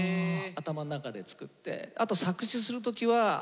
頭ん中で作って。